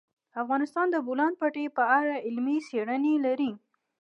افغانستان د د بولان پټي په اړه علمي څېړنې لري.